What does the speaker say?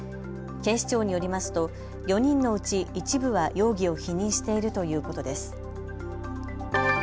警視庁によりますと４人のうち一部は容疑を否認しているということです。